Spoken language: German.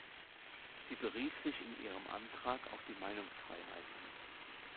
Sie berief sich in ihrem Antrag auf die Meinungsfreiheit.